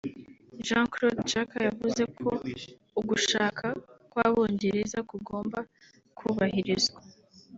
Jean-Claude Juncker yavuze ko ugushaka kw’Abongereza kugomba kubahirizwa